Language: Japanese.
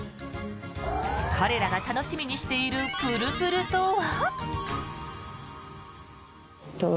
彼らが楽しみにしているプルプルとは。